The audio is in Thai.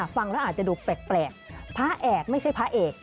ฟังแล้วอาจจะดูแปลกพระเอกไม่ใช่พระเอก